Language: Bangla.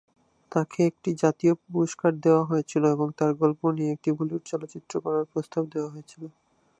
তাকে একটি জাতীয় পুরস্কার দেওয়া হয়েছিল এবং তাঁর গল্প নিয়ে একটি বলিউড চলচ্চিত্র করার প্রস্তাব দেওয়া হয়েছিল।